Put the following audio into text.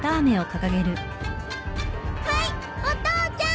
はいお父ちゃん。